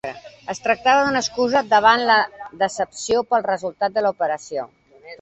Es tractava d’una excusa davant la ‘decepció’ pel resultat de l’operació.